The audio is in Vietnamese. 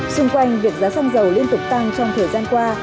xung quanh việc giá xăng dầu liên tục tăng trong thời gian qua